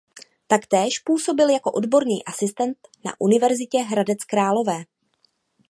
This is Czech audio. Taktéž působil jako odborný asistent na Univerzitě Hradec Králové.